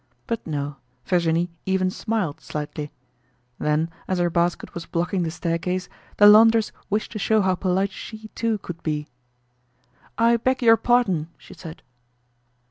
But no, Virginie even smiled slightly. Then, as her basket was blocking the staircase, the laundress wished to show how polite she, too, could be. "I beg your pardon," she said.